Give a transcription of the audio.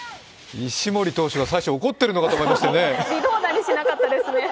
石森投手が最初怒ってるのかと思いましたね。